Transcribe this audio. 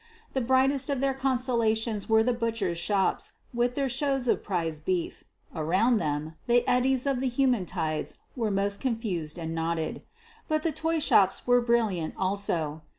The brightest of their constellations were the butchers' shops, with their shows of prize beef; around them, the eddies of the human tides were most confused and knotted. But the toy shops were brilliant also.